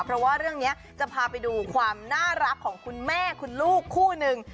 เพราะว่าเรื่องนี้จะพาไปดูความน่ารักของคุณแม่คุณลูกคู่หนึ่ง